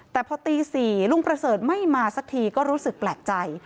แต่พอตี๔ลุงประเสริฐไม่มาสักทีก็รู้สึกแปลกใจ